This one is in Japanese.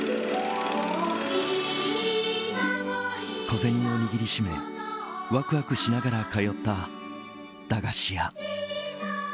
小銭を握りしめワクワクしながら通った駄菓子屋。